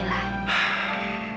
selamat makan pak haris